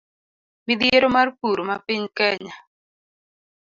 Midhiero mar pur ma piny Kenya